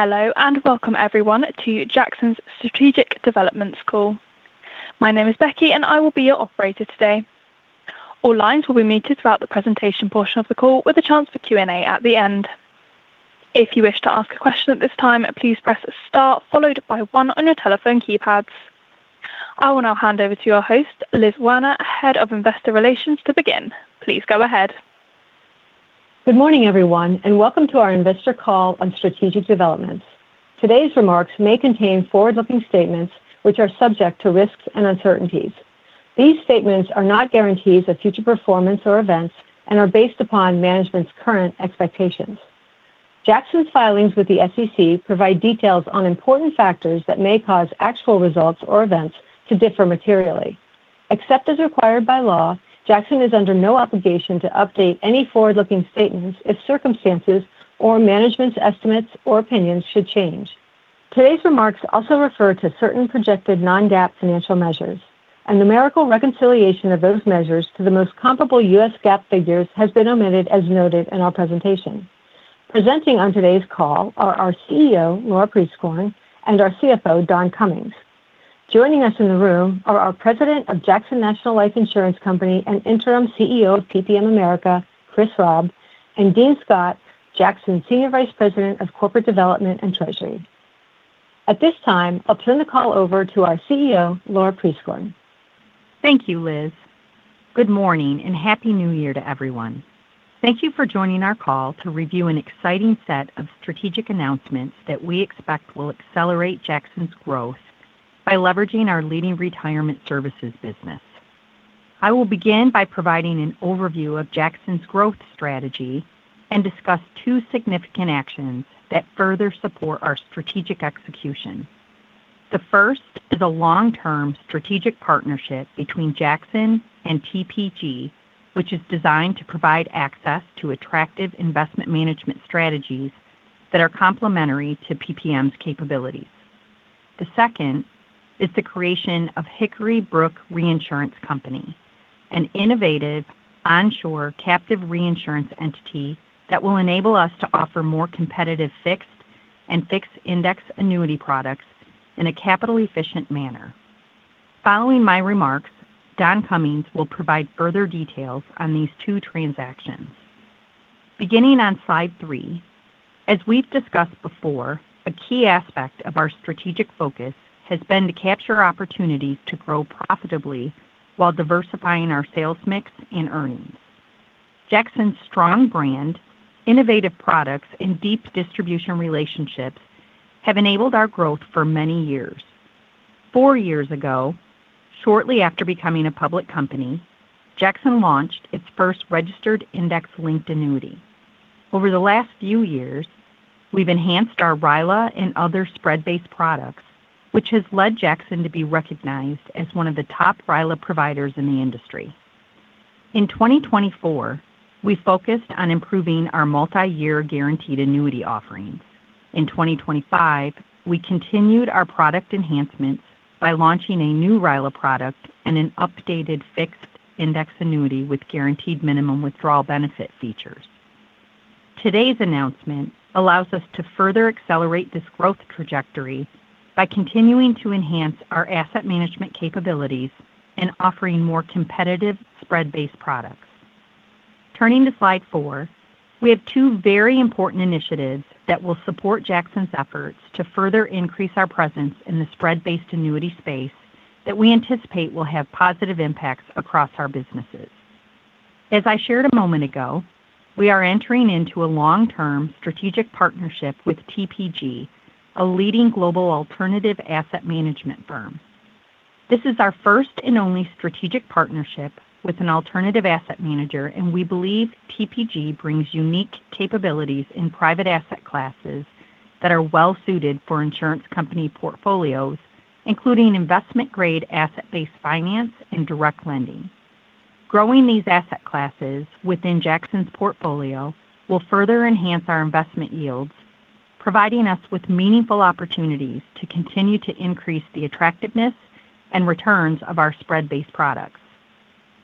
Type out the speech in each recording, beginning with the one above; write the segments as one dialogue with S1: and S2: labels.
S1: Hello and welcome, everyone, to Jackson's strategic developments call. My name is Becky, and I will be your operator today. All lines will be muted throughout the presentation portion of the call, with a chance for Q&A at the end. If you wish to ask a question at this time, please press star, followed by one on your telephone keypads. I will now hand over to your host, Liz Werner, Head of Investor Relations, to begin. Please go ahead.
S2: Good morning, everyone, and welcome to our investor call on strategic developments. Today's remarks may contain forward-looking statements, which are subject to risks and uncertainties. These statements are not guarantees of future performance or events and are based upon management's current expectations. Jackson's filings with the SEC provide details on important factors that may cause actual results or events to differ materially. Except as required by law, Jackson is under no obligation to update any forward-looking statements if circumstances or management's estimates or opinions should change. Today's remarks also refer to certain projected non-GAAP financial measures, and numerical reconciliation of those measures to the most comparable U.S. GAAP figures has been omitted, as noted in our presentation. Presenting on today's call are our CEO, Laura Prieskorn, and our CFO, Don Cummings. Joining us in the room are our President of Jackson National Life Insurance Company and interim CEO of PPM America, Chris Raub, and Dean Scott, Jackson's Senior Vice President of Corporate Development and Treasury. At this time, I'll turn the call over to our CEO, Laura Prieskorn.
S3: Thank you, Liz. Good morning and Happy New Year to everyone. Thank you for joining our call to review an exciting set of strategic announcements that we expect will accelerate Jackson's growth by leveraging our leading retirement services business. I will begin by providing an overview of Jackson's growth strategy and discuss two significant actions that further support our strategic execution. The first is a long-term strategic partnership between Jackson and TPG, which is designed to provide access to attractive investment management strategies that are complementary to PPM's capabilities. The second is the creation of Hickory Brook Reinsurance Company, an innovative onshore captive reinsurance entity that will enable us to offer more competitive fixed and fixed index annuity products in a capital-efficient manner. Following my remarks, Don Cummings will provide further details on these two transactions. Beginning on slide three, as we've discussed before, a key aspect of our strategic focus has been to capture opportunities to grow profitably while diversifying our sales mix and earnings. Jackson's strong brand, innovative products, and deep distribution relationships have enabled our growth for many years. Four years ago, shortly after becoming a public company, Jackson launched its first registered index-linked annuity. Over the last few years, we've enhanced our RILA and other spread-based products, which has led Jackson to be recognized as one of the top RILA providers in the industry. In 2024, we focused on improving our multi-year guaranteed annuity offerings. In 2025, we continued our product enhancements by launching a new RILA product and an updated fixed index annuity with guaranteed minimum withdrawal benefit features. Today's announcement allows us to further accelerate this growth trajectory by continuing to enhance our asset management capabilities and offering more competitive spread-based products. Turning to slide four, we have two very important initiatives that will support Jackson's efforts to further increase our presence in the spread-based annuity space that we anticipate will have positive impacts across our businesses. As I shared a moment ago, we are entering into a long-term strategic partnership with TPG, a leading global alternative asset management firm. This is our first and only strategic partnership with an alternative asset manager, and we believe TPG brings unique capabilities in private asset classes that are well-suited for insurance company portfolios, including investment-grade asset-based finance and direct lending. Growing these asset classes within Jackson's portfolio will further enhance our investment yields, providing us with meaningful opportunities to continue to increase the attractiveness and returns of our spread-based products.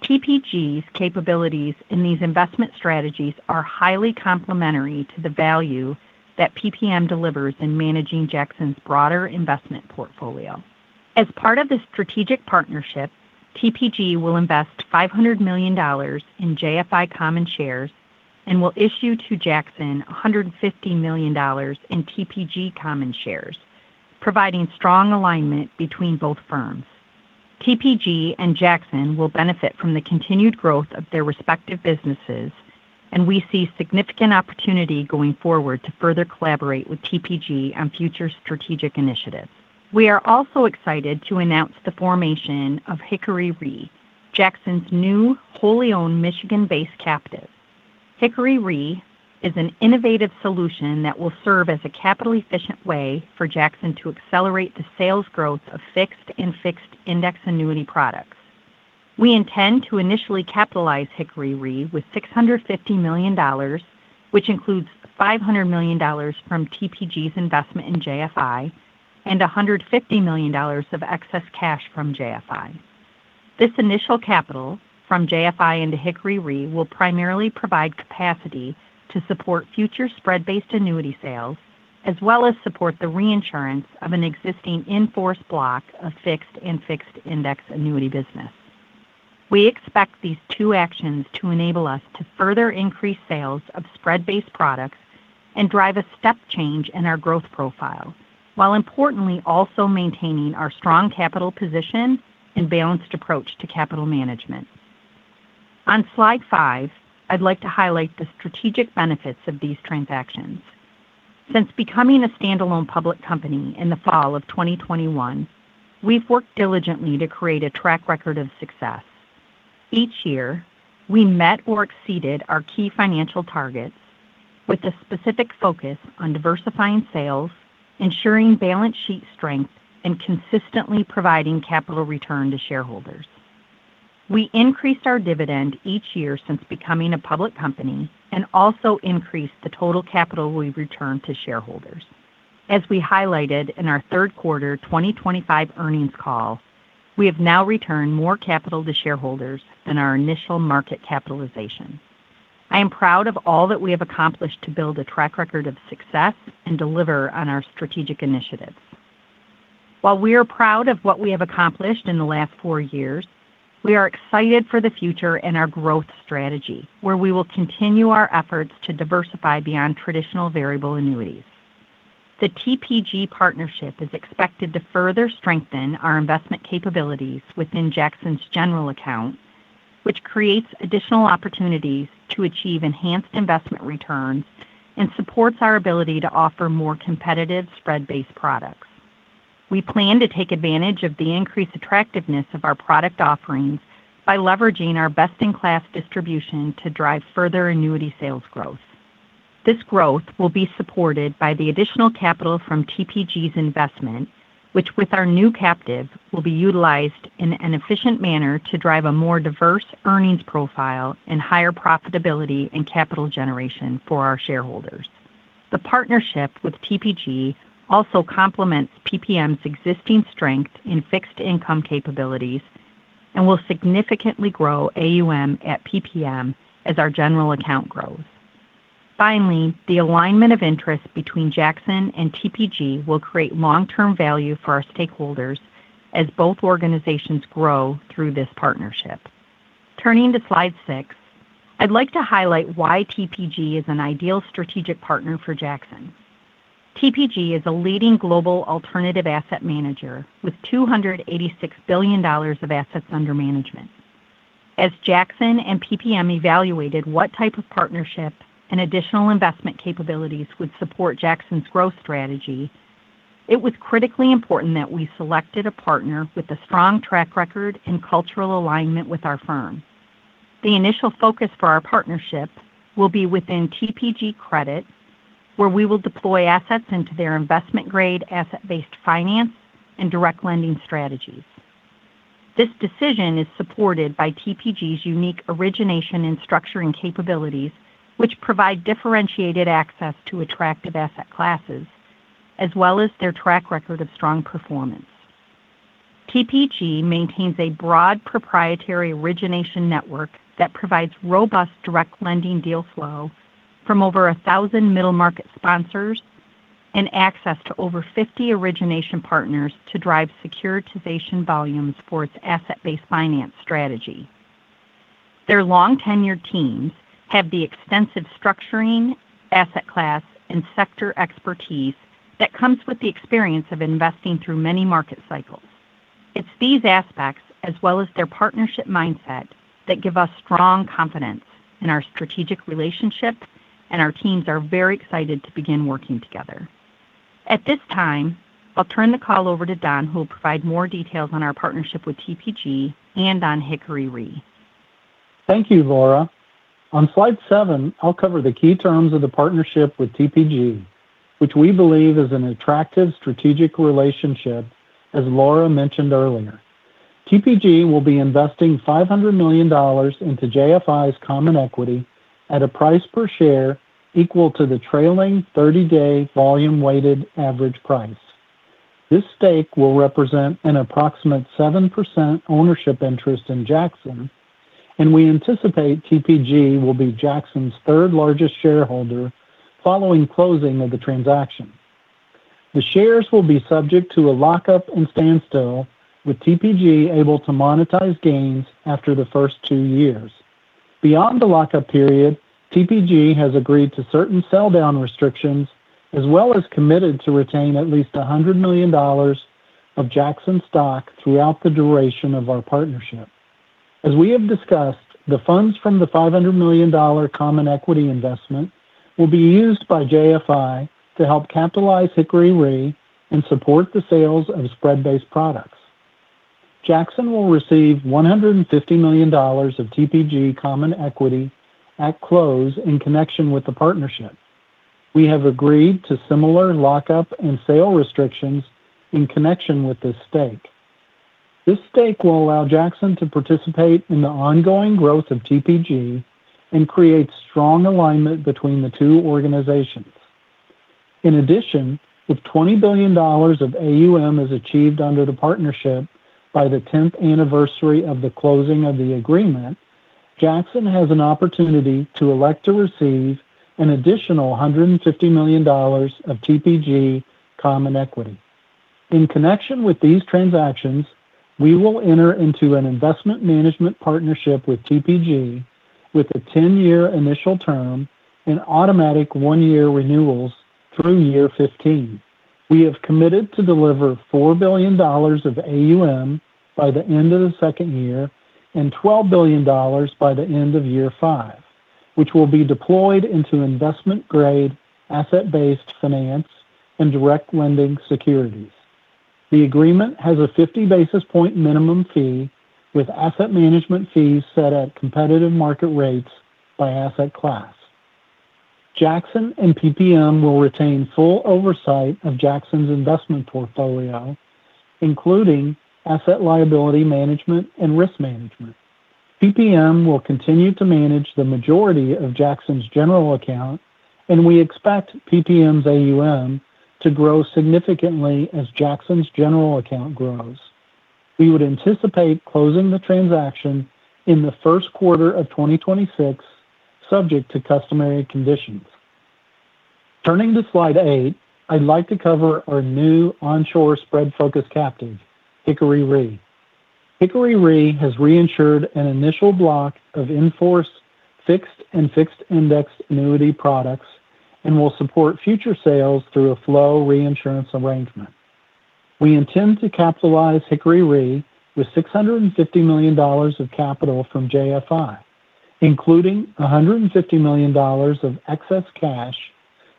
S3: TPG's capabilities in these investment strategies are highly complementary to the value that PPM delivers in managing Jackson's broader investment portfolio. As part of the strategic partnership, TPG will invest $500 million in JFI common shares and will issue to Jackson $150 million in TPG common shares, providing strong alignment between both firms. TPG and Jackson will benefit from the continued growth of their respective businesses, and we see significant opportunity going forward to further collaborate with TPG on future strategic initiatives. We are also excited to announce the formation of Hickory Re, Jackson's new, wholly-owned Michigan-based captive. Hickory Re is an innovative solution that will serve as a capital-efficient way for Jackson to accelerate the sales growth of fixed and fixed index annuity products. We intend to initially capitalize Hickory Re with $650 million, which includes $500 million from TPG's investment in JFI and $150 million of excess cash from JFI. This initial capital from JFI into Hickory Re will primarily provide capacity to support future spread-based annuity sales, as well as support the reinsurance of an existing in-force block of fixed and fixed index annuity business. We expect these two actions to enable us to further increase sales of spread-based products and drive a step change in our growth profile, while importantly also maintaining our strong capital position and balanced approach to capital management. On slide five, I'd like to highlight the strategic benefits of these transactions. Since becoming a standalone public company in the fall of 2021, we've worked diligently to create a track record of success. Each year, we met or exceeded our key financial targets with a specific focus on diversifying sales, ensuring balance sheet strength, and consistently providing capital return to shareholders. We increased our dividend each year since becoming a public company and also increased the total capital we return to shareholders. As we highlighted in our third quarter 2025 earnings call, we have now returned more capital to shareholders than our initial market capitalization. I am proud of all that we have accomplished to build a track record of success and deliver on our strategic initiatives. While we are proud of what we have accomplished in the last four years, we are excited for the future and our growth strategy, where we will continue our efforts to diversify beyond traditional variable annuities. The TPG partnership is expected to further strengthen our investment capabilities within Jackson's general account, which creates additional opportunities to achieve enhanced investment returns and supports our ability to offer more competitive spread-based products. We plan to take advantage of the increased attractiveness of our product offerings by leveraging our best-in-class distribution to drive further annuity sales growth. This growth will be supported by the additional capital from TPG's investment, which, with our new captive, will be utilized in an efficient manner to drive a more diverse earnings profile and higher profitability and capital generation for our shareholders. The partnership with TPG also complements PPM's existing strength in fixed income capabilities and will significantly grow AUM at PPM as our general account grows. Finally, the alignment of interest between Jackson and TPG will create long-term value for our stakeholders as both organizations grow through this partnership. Turning to slide six, I'd like to highlight why TPG is an ideal strategic partner for Jackson. TPG is a leading global alternative asset manager with $286 billion of assets under management. As Jackson and PPM evaluated what type of partnership and additional investment capabilities would support Jackson's growth strategy, it was critically important that we selected a partner with a strong track record and cultural alignment with our firm. The initial focus for our partnership will be within TPG Credit, where we will deploy assets into their investment-grade asset-based finance and direct lending strategies. This decision is supported by TPG's unique origination and structuring capabilities, which provide differentiated access to attractive asset classes, as well as their track record of strong performance. TPG maintains a broad proprietary origination network that provides robust direct lending deal flow from over 1,000 middle market sponsors and access to over 50 origination partners to drive securitization volumes for its asset-based finance strategy. Their long-tenured teams have the extensive structuring, asset class, and sector expertise that comes with the experience of investing through many market cycles. It's these aspects, as well as their partnership mindset, that give us strong confidence in our strategic relationship, and our teams are very excited to begin working together. At this time, I'll turn the call over to Don, who will provide more details on our partnership with TPG and on Hickory Re.
S4: Thank you, Laura. On slide seven, I'll cover the key terms of the partnership with TPG, which we believe is an attractive strategic relationship, as Laura mentioned earlier. TPG will be investing $500 million into JFI's common equity at a price per share equal to the trailing 30-day volume-weighted average price. This stake will represent an approximate 7% ownership interest in Jackson, and we anticipate TPG will be Jackson's third-largest shareholder following closing of the transaction. The shares will be subject to a lockup and standstill, with TPG able to monetize gains after the first two years. Beyond the lockup period, TPG has agreed to certain sell-down restrictions, as well as committed to retain at least $100 million of Jackson stock throughout the duration of our partnership. As we have discussed, the funds from the $500 million common equity investment will be used by JFI to help capitalize Hickory Re and support the sales of spread-based products. Jackson will receive $150 million of TPG common equity at close in connection with the partnership. We have agreed to similar lockup and sale restrictions in connection with this stake. This stake will allow Jackson to participate in the ongoing growth of TPG and create strong alignment between the two organizations. In addition, with $20 billion of AUM as achieved under the partnership by the 10th anniversary of the closing of the agreement, Jackson has an opportunity to elect to receive an additional $150 million of TPG common equity. In connection with these transactions, we will enter into an investment management partnership with TPG with a 10-year initial term and automatic one-year renewals through year 15. We have committed to deliver $4 billion of AUM by the end of the second year and $12 billion by the end of year five, which will be deployed into investment-grade asset-based finance and direct lending securities. The agreement has a 50 basis points minimum fee, with asset management fees set at competitive market rates by asset class. Jackson and PPM will retain full oversight of Jackson's investment portfolio, including asset liability management and risk management. PPM will continue to manage the majority of Jackson's general account, and we expect PPM's AUM to grow significantly as Jackson's general account grows. We would anticipate closing the transaction in the first quarter of 2026, subject to customary conditions. Turning to slide eight, I'd like to cover our new onshore spread-focused captive, Hickory Re. Hickory Re has reinsured an initial block of in-force fixed and fixed index annuity products and will support future sales through a flow reinsurance arrangement. We intend to capitalize Hickory Re with $650 million of capital from JFI, including $150 million of excess cash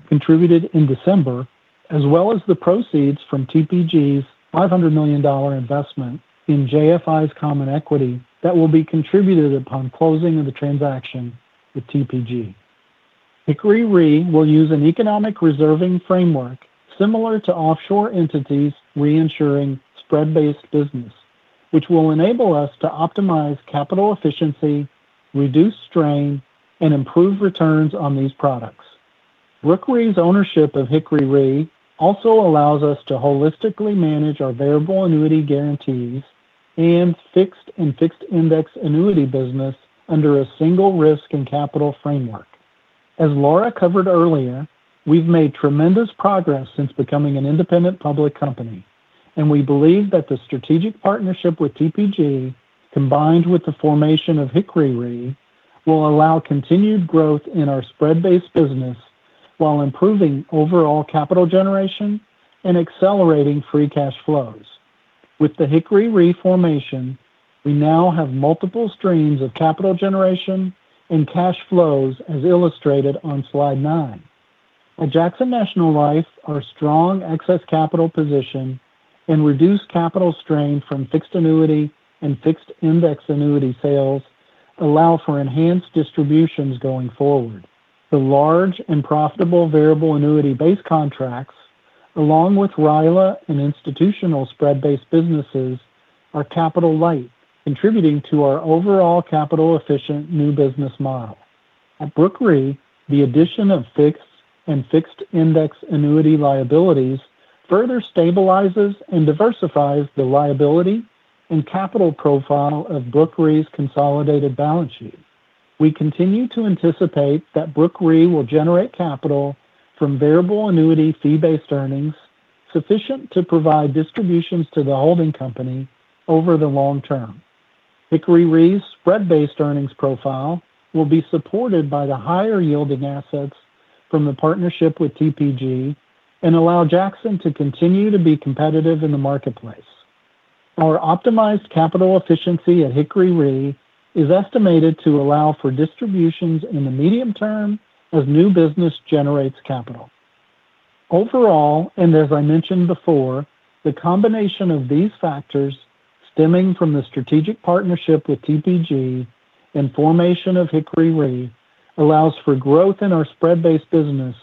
S4: contributed in December, as well as the proceeds from TPG's $500 million investment in JFI's common equity that will be contributed upon closing of the transaction with TPG. Hickory Re will use an economic reserving framework similar to offshore entities reinsuring spread-based business, which will enable us to optimize capital efficiency, reduce strain, and improve returns on these products. Brooke Re's ownership of Hickory Re also allows us to holistically manage our variable annuity guarantees and fixed and fixed index annuity business under a single risk and capital framework. As Laura covered earlier, we've made tremendous progress since becoming an independent public company, and we believe that the strategic partnership with TPG, combined with the formation of Hickory Re, will allow continued growth in our spread-based business while improving overall capital generation and accelerating free cash flows. With the Hickory Re formation, we now have multiple streams of capital generation and cash flows, as illustrated on slide nine. At Jackson National Life, our strong excess capital position and reduced capital strain from fixed annuity and fixed index annuity sales allow for enhanced distributions going forward. The large and profitable variable annuity-based contracts, along with RILA and institutional spread-based businesses, are capital-light, contributing to our overall capital-efficient new business model. At Brooke, the addition of fixed and fixed index annuity liabilities further stabilizes and diversifies the liability and capital profile of Brooke's consolidated balance sheet. We continue to anticipate that Brooke Re will generate capital from variable annuity fee-based earnings sufficient to provide distributions to the holding company over the long term. Hickory Re's spread-based earnings profile will be supported by the higher-yielding assets from the partnership with TPG and allow Jackson to continue to be competitive in the marketplace. Our optimized capital efficiency at Hickory Re is estimated to allow for distributions in the medium term as new business generates capital. Overall, and as I mentioned before, the combination of these factors stemming from the strategic partnership with TPG and formation of Hickory Re allows for growth in our spread-based business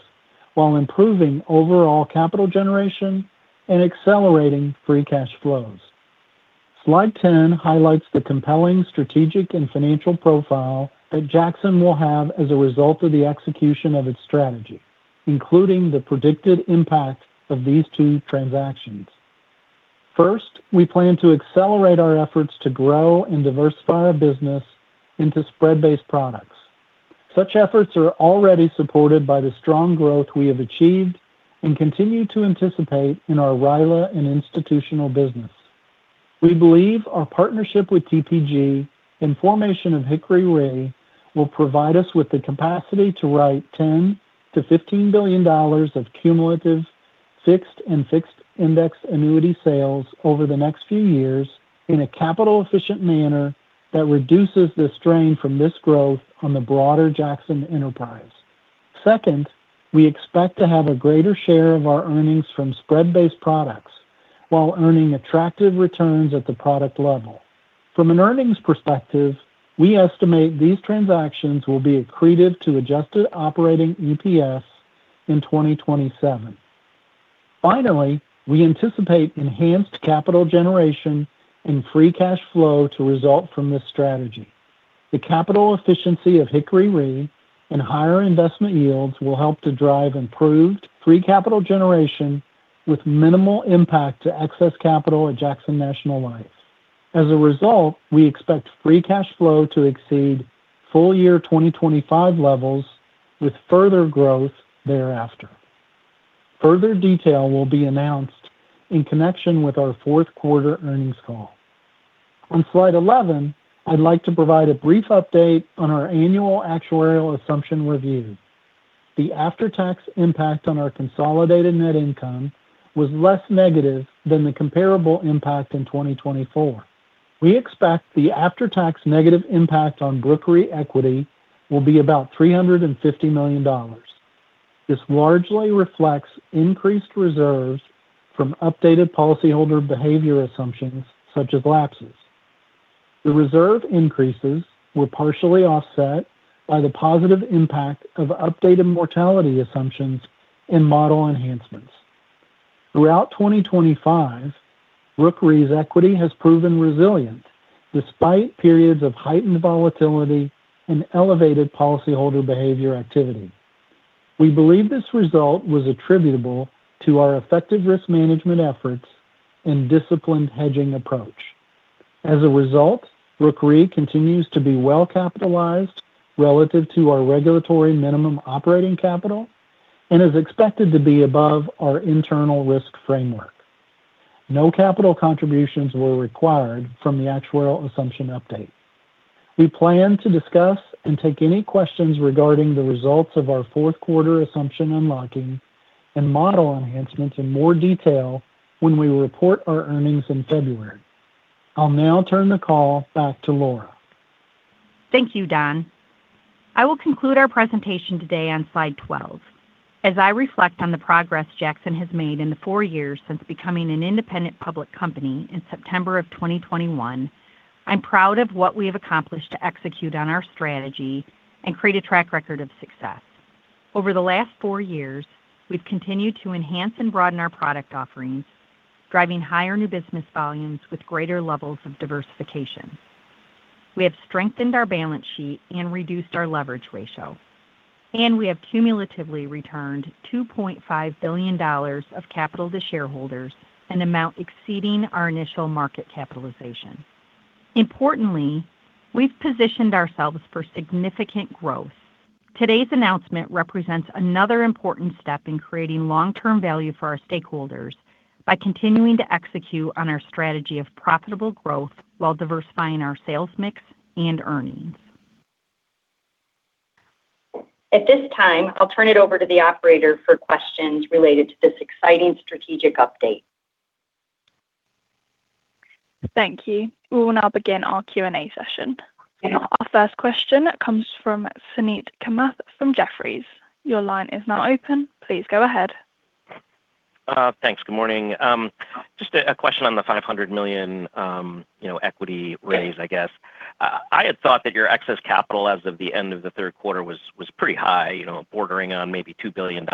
S4: while improving overall capital generation and accelerating free cash flows. Slide 10 highlights the compelling strategic and financial profile that Jackson will have as a result of the execution of its strategy, including the predicted impact of these two transactions. First, we plan to accelerate our efforts to grow and diversify our business into spread-based products. Such efforts are already supported by the strong growth we have achieved and continue to anticipate in our RILA and institutional business. We believe our partnership with TPG and formation of Hickory Re will provide us with the capacity to write $10-$15 billion of cumulative fixed and fixed index annuity sales over the next few years in a capital-efficient manner that reduces the strain from this growth on the broader Jackson enterprise. Second, we expect to have a greater share of our earnings from spread-based products while earning attractive returns at the product level. From an earnings perspective, we estimate these transactions will be accretive to adjusted operating EPS in 2027. Finally, we anticipate enhanced capital generation and free cash flow to result from this strategy. The capital efficiency of Hickory Re and higher investment yields will help to drive improved free capital generation with minimal impact to excess capital at Jackson National Life. As a result, we expect free cash flow to exceed full year 2025 levels with further growth thereafter. Further detail will be announced in connection with our fourth quarter earnings call. On slide 11, I'd like to provide a brief update on our annual actuarial assumption review. The after-tax impact on our consolidated net income was less negative than the comparable impact in 2024. We expect the after-tax negative impact on Brooke Re equity will be about $350 million. This largely reflects increased reserves from updated policyholder behavior assumptions, such as lapses. The reserve increases were partially offset by the positive impact of updated mortality assumptions and model enhancements. Throughout 2025, Brooke Re's equity has proven resilient despite periods of heightened volatility and elevated policyholder behavior activity. We believe this result was attributable to our effective risk management efforts and disciplined hedging approach. As a result, Brooke Re continues to be well capitalized relative to our regulatory minimum operating capital and is expected to be above our internal risk framework. No capital contributions were required from the actuarial assumption update. We plan to discuss and take any questions regarding the results of our fourth quarter assumption unlocking and model enhancements in more detail when we report our earnings in February. I'll now turn the call back to Laura.
S3: Thank you, Don. I will conclude our presentation today on slide 12. As I reflect on the progress Jackson has made in the four years since becoming an independent public company in September of 2021, I'm proud of what we have accomplished to execute on our strategy and create a track record of success. Over the last four years, we've continued to enhance and broaden our product offerings, driving higher new business volumes with greater levels of diversification. We have strengthened our balance sheet and reduced our leverage ratio, and we have cumulatively returned $2.5 billion of capital to shareholders, an amount exceeding our initial market capitalization. Importantly, we've positioned ourselves for significant growth. Today's announcement represents another important step in creating long-term value for our stakeholders by continuing to execute on our strategy of profitable growth while diversifying our sales mix and earnings. At this time, I'll turn it over to the operator for questions related to this exciting strategic update.
S1: Thank you. We will now begin our Q&A session. Our first question comes from Suneet Kamath from Jefferies. Your line is now open. Please go ahead.
S5: Thanks. Good morning. Just a question on the $500 million equity raise, I guess. I had thought that your excess capital as of the end of the third quarter was pretty high, bordering on maybe $2 billion.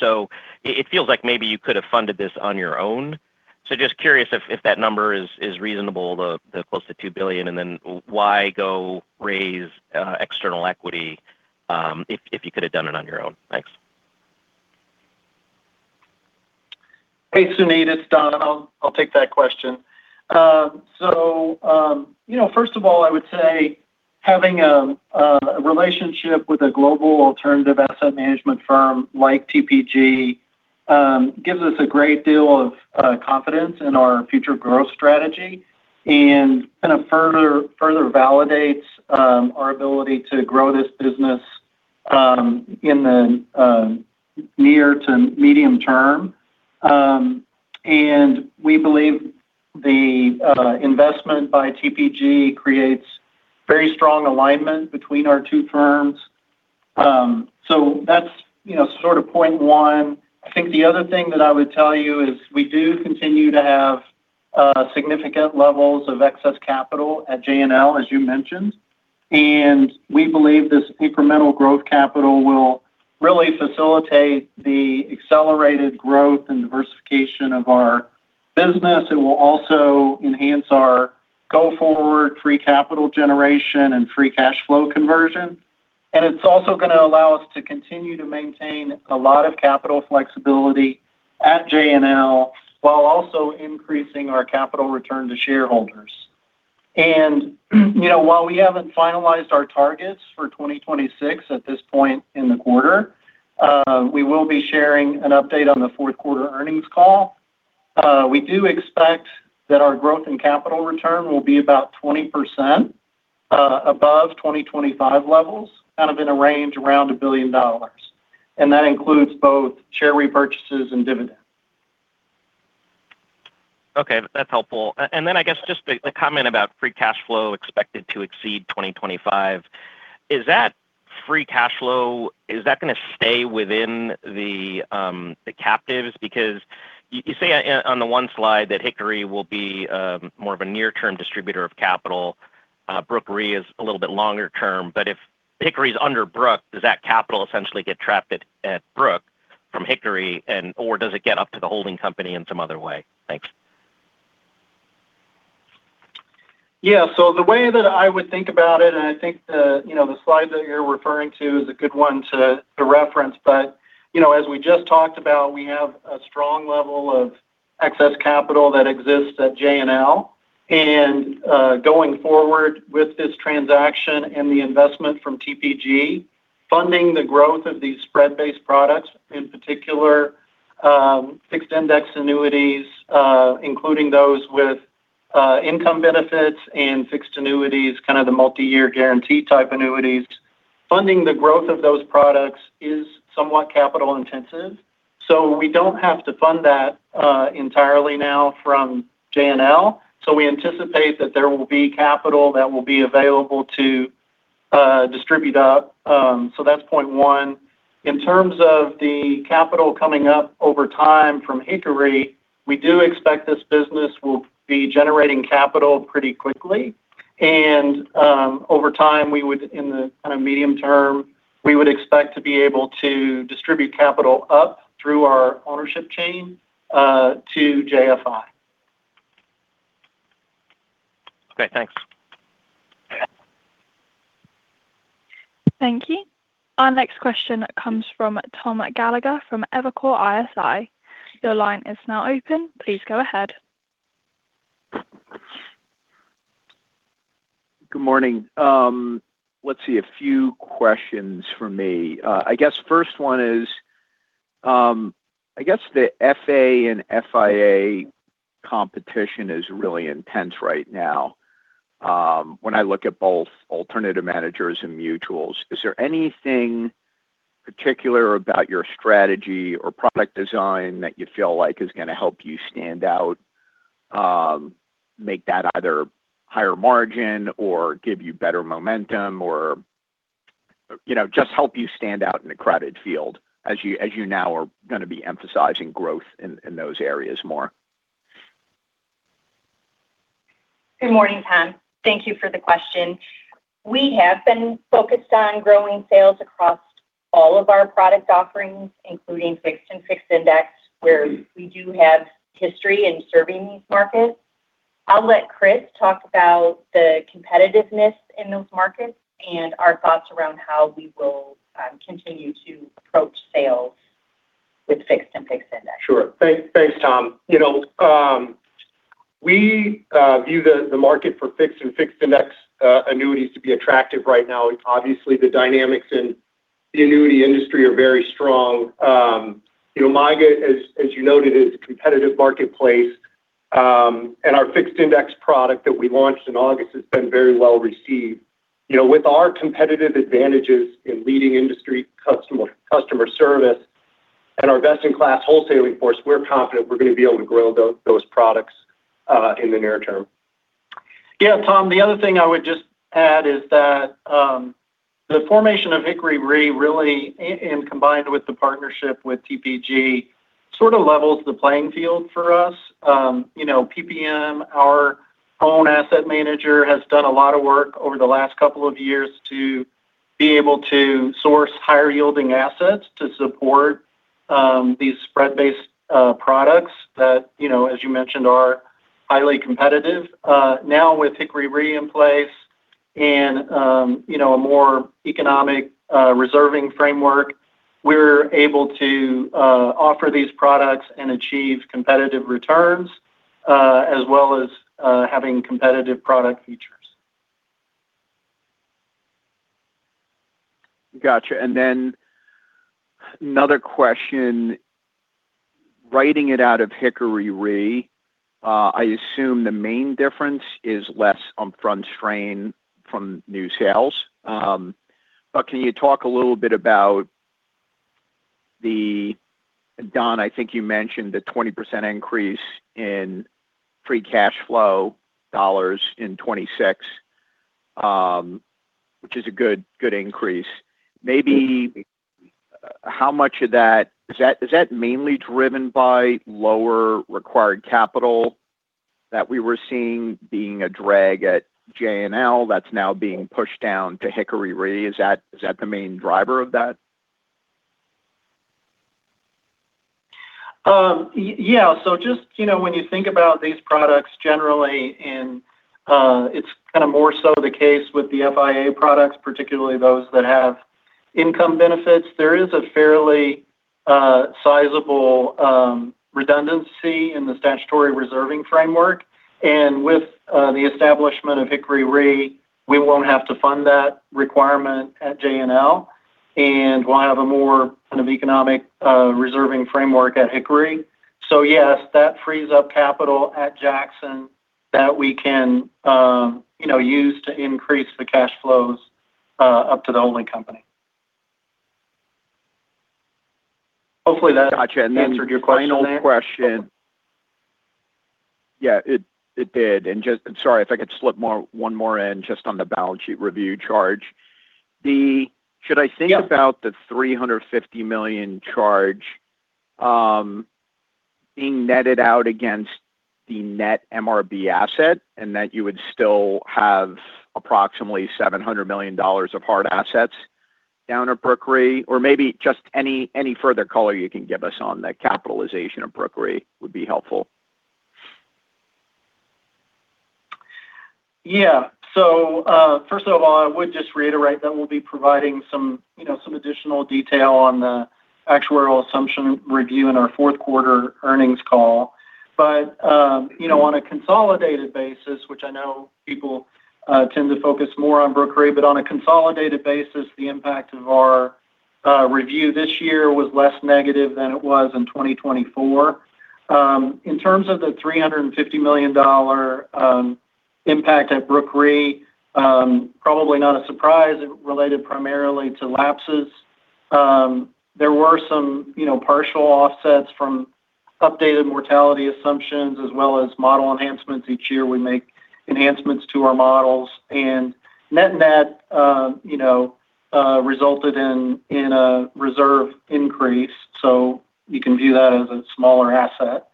S5: So it feels like maybe you could have funded this on your own. So just curious if that number is reasonable, the close to $2 billion, and then why go raise external equity if you could have done it on your own? Thanks.
S4: Hey, Suneet, it's Don. I'll take that question. So first of all, I would say having a relationship with a global alternative asset management firm like TPG gives us a great deal of confidence in our future growth strategy and kind of further validates our ability to grow this business in the near to medium term. And we believe the investment by TPG creates very strong alignment between our two firms. So that's sort of point one. I think the other thing that I would tell you is we do continue to have significant levels of excess capital at JNL, as you mentioned. And we believe this incremental growth capital will really facilitate the accelerated growth and diversification of our business. It will also enhance our go-forward free capital generation and free cash flow conversion. And it's also going to allow us to continue to maintain a lot of capital flexibility at JNL while also increasing our capital return to shareholders. And while we haven't finalized our targets for 2026 at this point in the quarter, we will be sharing an update on the fourth quarter earnings call. We do expect that our growth and capital return will be about 20% above 2025 levels, kind of in a range around a billion dollars. And that includes both share repurchases and dividends.
S5: Okay. That's helpful. And then I guess just the comment about free cash flow expected to exceed 2025. Is that free cash flow, is that going to stay within the captives? Because you say on the one slide that Hickory will be more of a near-term distributor of capital. Brooke Re is a little bit longer term. But if Hickory is under Brooke, does that capital essentially get trapped at Brooke from Hickory, or does it get up to the holding company in some other way? Thanks.
S4: Yeah. So the way that I would think about it, and I think the slide that you're referring to is a good one to reference, but as we just talked about, we have a strong level of excess capital that exists at JNL. And going forward with this transaction and the investment from TPG, funding the growth of these spread-based products, in particular fixed index annuities, including those with income benefits and fixed annuities, kind of the multi-year guarantee type annuities, funding the growth of those products is somewhat capital-intensive. So we don't have to fund that entirely now from JNL. So we anticipate that there will be capital that will be available to distribute up. So that's point one. In terms of the capital coming up over time from Hickory, we do expect this business will be generating capital pretty quickly. Over time, in the kind of medium term, we would expect to be able to distribute capital up through our ownership chain to JFI.
S5: Okay. Thanks.
S1: Thank you. Our next question comes from Tom Gallagher from Evercore ISI. Your line is now open. Please go ahead.
S6: Good morning. Let's see. A few questions for me. I guess first one is, I guess the FA and FIA competition is really intense right now. When I look at both alternative managers and mutuals, is there anything particular about your strategy or product design that you feel like is going to help you stand out, make that either higher margin or give you better momentum or just help you stand out in the crowded field as you now are going to be emphasizing growth in those areas more?
S3: Good morning, Tom. Thank you for the question. We have been focused on growing sales across all of our product offerings, including fixed and fixed index, where we do have history in serving these markets. I'll let Chris talk about the competitiveness in those markets and our thoughts around how we will continue to approach sales with fixed and fixed index.
S4: Sure. Thanks, Tom. We view the market for fixed and fixed index annuities to be attractive right now. Obviously, the dynamics in the annuity industry are very strong. The market, as you noted, is a competitive marketplace. And our fixed index product that we launched in August has been very well received. With our competitive advantages in leading industry customer service and our best-in-class wholesaling force, we're confident we're going to be able to grow those products in the near term. Yeah, Tom, the other thing I would just add is that the formation of Hickory Re and, combined with the partnership with TPG, sort of levels the playing field for us. PPM, our own asset manager, has done a lot of work over the last couple of years to be able to source higher-yielding assets to support these spread-based products that, as you mentioned, are highly competitive. Now, with Hickory Re in place and a more economic reserving framework, we're able to offer these products and achieve competitive returns as well as having competitive product features.
S6: Gotcha. And then another question, writing it out of Hickory Re, I assume the main difference is less on front strain from new sales. But can you talk a little bit about that, Don? I think you mentioned the 20% increase in free cash flow dollars in 2026, which is a good increase. Maybe how much of that is that mainly driven by lower required capital that we were seeing being a drag at JNL that's now being pushed down to Hickory Re? Is that the main driver of that?
S4: Yeah. So just when you think about these products generally, and it's kind of more so the case with the FIA products, particularly those that have income benefits, there is a fairly sizable redundancy in the statutory reserving framework. And with the establishment of Hickory Re, we won't have to fund that requirement at JNL, and we'll have a more kind of economic reserving framework at Hickory. So yes, that frees up capital at Jackson that we can use to increase the cash flows up to the holding company. Hopefully, that answered your question.
S6: Gotcha. And then final question. Yeah, it did. And just, sorry, if I could slip one more in just on the balance sheet review charge. Should I think about the $350 million charge being netted out against the net MRB asset and that you would still have approximately $700 million of hard assets down at Brooke Re? Or maybe just any further color you can give us on the capitalization of Brooke Re would be helpful.
S4: Yeah. So first of all, I would just reiterate that we'll be providing some additional detail on the actual assumption review in our fourth quarter earnings call. But on a consolidated basis, which I know people tend to focus more on Brooke Re, but on a consolidated basis, the impact of our review this year was less negative than it was in 2024. In terms of the $350 million impact at Brooke Re, probably not a surprise. It related primarily to lapses. There were some partial offsets from updated mortality assumptions as well as model enhancements. Each year, we make enhancements to our models, and net-net resulted in a reserve increase. So you can view that as a smaller asset.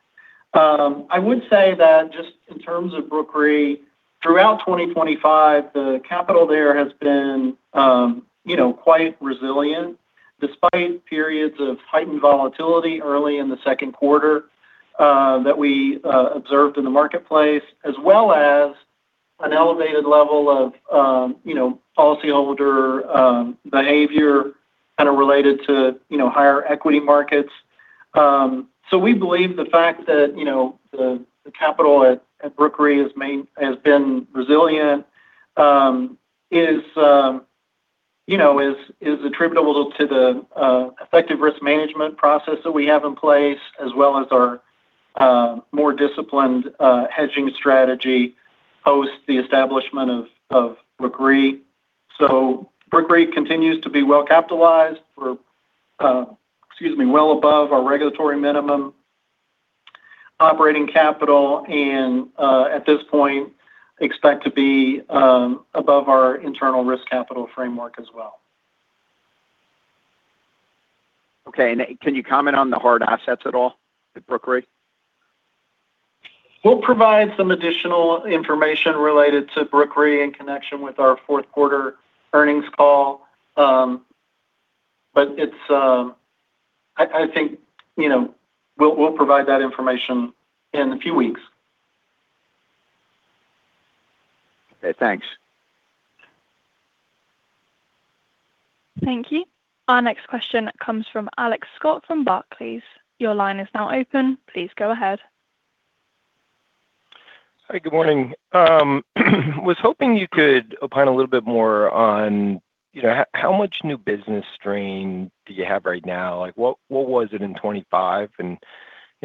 S4: I would say that just in terms of Brooke Re, throughout 2025, the capital there has been quite resilient despite periods of heightened volatility early in the second quarter that we observed in the marketplace, as well as an elevated level of policyholder behavior kind of related to higher equity markets. So we believe the fact that the capital at Brooke Re has been resilient is attributable to the effective risk management process that we have in place, as well as our more disciplined hedging strategy post the establishment of Brooke Re. So Brooke Re continues to be well capitalized, excuse me, well above our regulatory minimum operating capital, and at this point, expect to be above our internal risk capital framework as well.
S6: Okay, and can you comment on the hard assets at all at Brooke Re?
S4: We'll provide some additional information related to Brooke Re in connection with our fourth quarter earnings call, but I think we'll provide that information in a few weeks.
S6: Okay. Thanks.
S1: Thank you. Our next question comes from Alex Scott from Barclays. Your line is now open. Please go ahead.
S7: Hi. Good morning. I was hoping you could opine a little bit more on how much new business strain do you have right now? What was it in 2025, and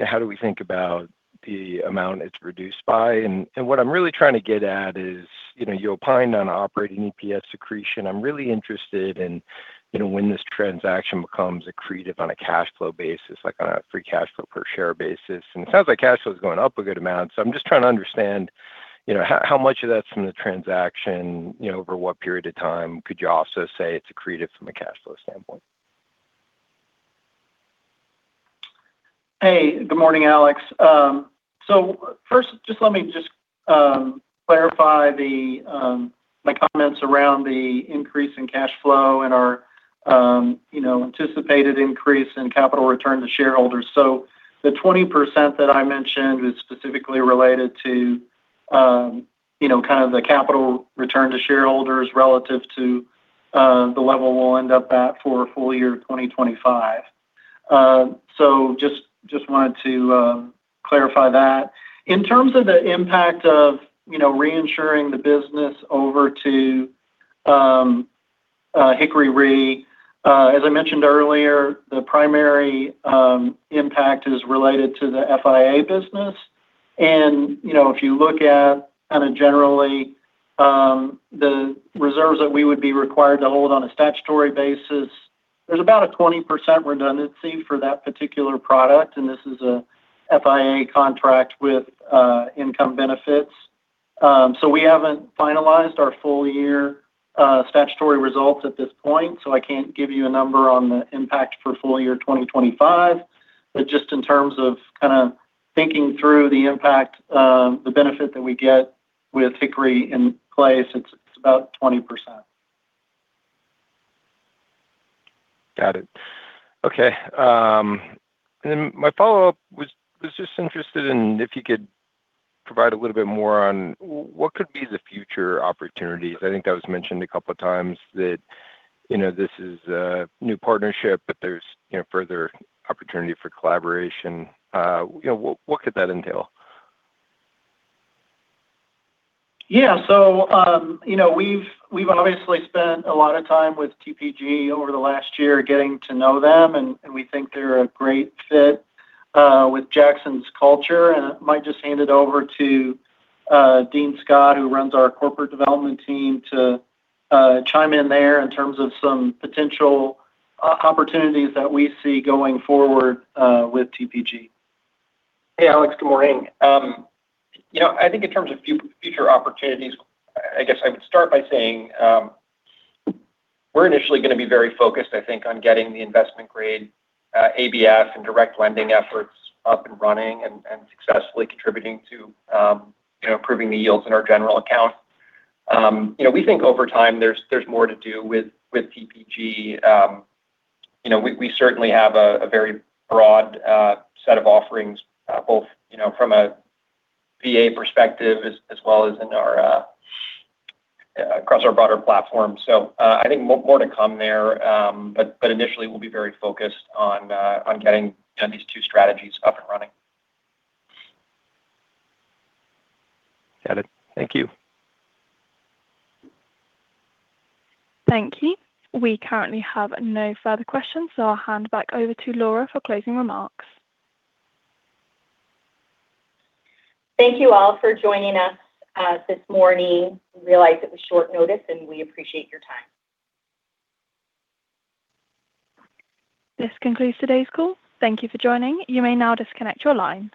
S7: how do we think about the amount it's reduced by, and what I'm really trying to get at is you opined on operating EPS accretion. I'm really interested in when this transaction becomes accretive on a cash flow basis, like on a free cash flow per share basis, and it sounds like cash flow is going up a good amount, so I'm just trying to understand how much of that's from the transaction over what period of time? Could you also say it's accretive from a cash flow standpoint?
S4: Hey. Good morning, Alex. So first, just let me just clarify my comments around the increase in cash flow and our anticipated increase in capital return to shareholders. So the 20% that I mentioned is specifically related to kind of the capital return to shareholders relative to the level we'll end up at for full year 2025. So just wanted to clarify that. In terms of the impact of reinsuring the business over to Hickory Re, as I mentioned earlier, the primary impact is related to the FIA business. And if you look at kind of generally the reserves that we would be required to hold on a statutory basis, there's about a 20% redundancy for that particular product. And this is an FIA contract with income benefits. So we haven't finalized our full-year statutory results at this point. So I can't give you a number on the impact for full year 2025. But just in terms of kind of thinking through the impact, the benefit that we get with Hickory in place, it's about 20%.
S7: Got it. Okay. And then my follow-up was just interested in if you could provide a little bit more on what could be the future opportunities. I think that was mentioned a couple of times that this is a new partnership, but there's further opportunity for collaboration. What could that entail?
S4: Yeah. So we've obviously spent a lot of time with TPG over the last year getting to know them. And we think they're a great fit with Jackson's culture. And I might just hand it over to Dean Scott, who runs our corporate development team, to chime in there in terms of some potential opportunities that we see going forward with TPG.
S8: Hey, Alex. Good morning. I think in terms of future opportunities, I guess I would start by saying we're initially going to be very focused, I think, on getting the investment-grade ABF and direct lending efforts up and running and successfully contributing to improving the yields in our general account. We think over time, there's more to do with TPG. We certainly have a very broad set of offerings, both from a VA perspective as well as across our broader platform. So I think more to come there. But initially, we'll be very focused on getting these two strategies up and running.
S7: Got it. Thank you.
S1: Thank you. We currently have no further questions. So I'll hand back over to Laura for closing remarks.
S3: Thank you all for joining us this morning. We realize it was short notice, and we appreciate your time.
S1: This concludes today's call. Thank you for joining. You may now disconnect your line.